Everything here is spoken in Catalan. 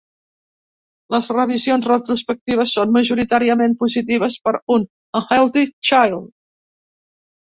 Les revisions retrospectives són majoritàriament positives per a "Un Unearthly Child".